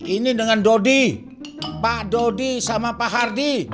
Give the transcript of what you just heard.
ini dengan dodi pak dodi sama pak hardy